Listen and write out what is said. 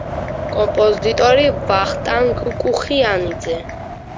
კომპოზიტორი ვახტანგ კუხიანიძე.